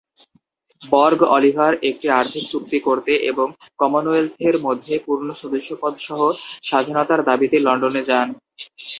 বর্গ অলিভার একটি আর্থিক চুক্তি করতে এবং কমনওয়েলথের মধ্যে পূর্ণ সদস্যপদ সহ স্বাধীনতার দাবিতে লন্ডনে যান।